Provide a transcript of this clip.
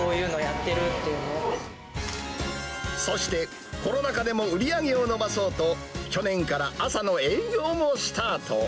今、そして、コロナ禍でも売り上げを伸ばそうと、去年から朝の営業もスタート。